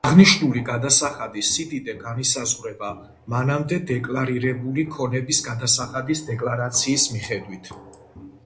აღნიშნული გადასახადის სიდიდე განისაზღვრება, მანამდე დეკლარირებული ქონების გადასახადის დეკლარაციის მიხედვით.